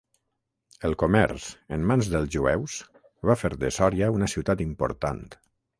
El comerç, en mans dels jueus, va fer de Sòria una ciutat important.